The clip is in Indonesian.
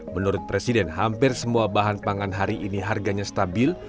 menurut presiden hampir semua bahan pangan hari ini harganya stabil